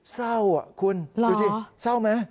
เศร้าคุณดูสิเศร้าไหมครับอ๋อ